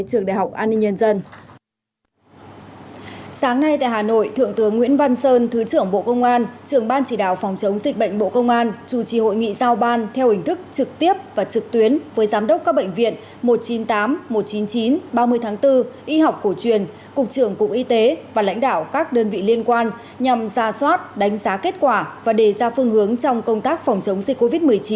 sáng nay tại hà nội thượng tướng nguyễn văn sơn thứ trưởng bộ công an trường ban chỉ đạo phòng chống dịch bệnh bộ công an chủ trì hội nghị giao ban theo hình thức trực tiếp và trực tuyến với giám đốc các bệnh viện một trăm chín mươi tám một trăm chín mươi chín ba mươi tháng bốn y học cổ truyền cục trưởng cục y tế và lãnh đạo các đơn vị liên quan nhằm ra soát đánh giá kết quả và đề ra phương hướng trong công tác phòng chống dịch covid một mươi chín